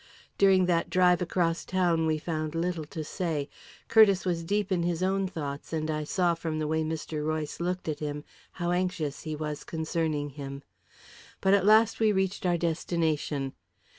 During that drive across town, we found little to say. Curtiss was deep in his own thoughts, and I saw from the way Mr. Royce looked at him, how anxious he was concerning him. But at last we reached our destination.